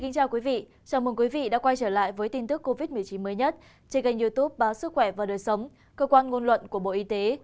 chào mừng quý vị đã quay trở lại với tin tức covid một mươi chín mới nhất trên kênh youtube báo sức khỏe và đời sống cơ quan ngôn luận của bộ y tế